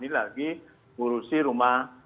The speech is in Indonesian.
lagi ngurusi rumah